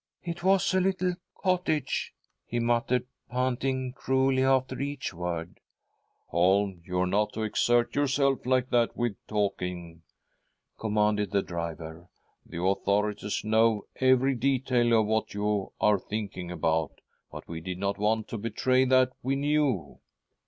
"It was a little cottage," he muttered, panting cruelly after each word. " Holm, you are not to exert yourself like that with talking," commanded the driver. " The authorities' know every detail of what you are thinking about, but we did not want to betray that we knew."